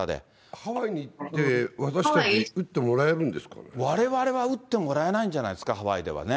ハワイに行って、われわれは打ってもらえないんじゃないですか、ハワイではね。